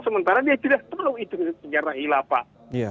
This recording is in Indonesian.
sementara dia tidak tahu itu sejarah hilafah